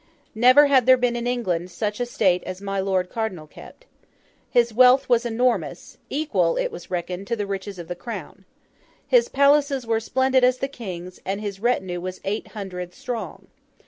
Never had there been seen in England such state as my Lord Cardinal kept. His wealth was enormous; equal, it was reckoned, to the riches of the Crown. His palaces were as splendid as the King's, and his retinue was eight hundred strong.